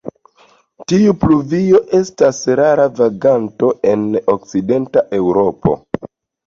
Tiu pluvio estas rara vaganto en okcidenta Eŭropo.